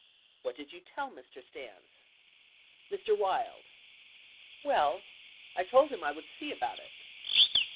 What did you tell Mr. Stans ? Mr. Wild. Well, I told him I would see about it.